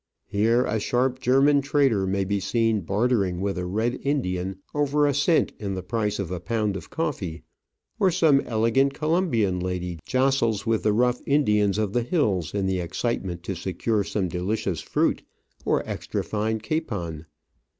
Here a sharp German trader may be seen bartering with a Red Indian over a cent in the price of a pound of coffee, or some elegant Colombian lady jostles with the rough Indians of the hills in the excitement to secure some delicious fruit or extra fine capon.